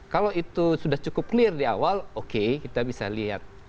kalau itu sudah cukup clear di awal oke kita bisa lihat